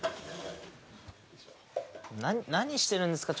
何してんですか？